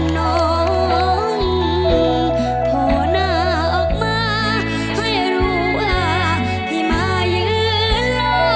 น้องโผล่หน้าออกมาให้รู้ว่าที่มายืนรอ